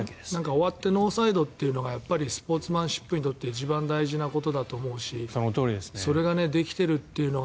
終わってノーサイドというのがスポーツマンシップで一番大事なことだと思うしそれができてるというのが。